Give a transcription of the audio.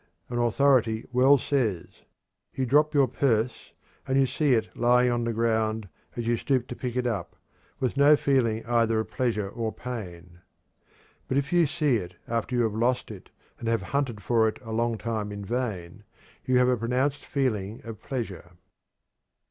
An authority well says: "You drop your purse, and you see it lying on the ground as you stoop to pick it up, with no feeling either of pleasure or pain. But if you see it after you have lost it and have hunted for it a long time in vain, you have a pronounced feeling of pleasure."